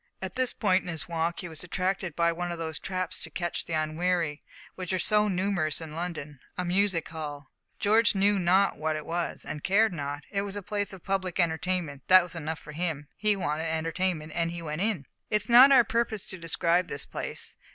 At this point in his walk he was attracted by one of those traps to catch the unwary, which are so numerous in London a music hall. George knew not what it was, and cared not. It was a place of public entertainment: that was enough for him. He wanted entertainment, and in he went. It is not our purpose to describe this place.